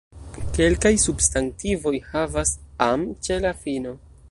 Kelkaj substantivoj havas "-am" ĉe la fino.